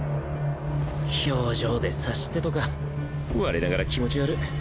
表情で察してとか我ながら気持ち悪。